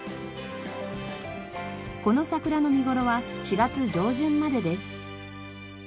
この桜の見頃は４月上旬までです。